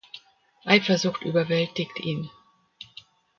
Eifersucht überwältigt ihn.